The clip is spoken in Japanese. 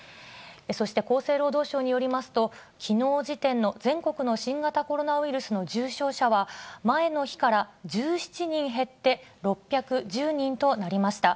そして、厚生労働省によりますと、きのう時点の全国の新型コロナウイルスの重症者は、前の日から１７人減って６１０人となりました。